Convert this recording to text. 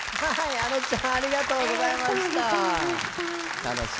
ａｎｏちゃんありがとうございました、楽し。